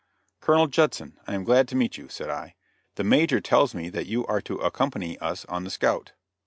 "Colonel Judson, I am glad to meet you," said I; "the Major tells me that you are to accompany us on the scout."